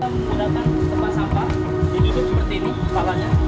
menggunakan tempat sampah ditutup seperti ini kepalanya